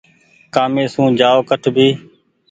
ڪآمي سون جآئو ڪٺ ڀي۔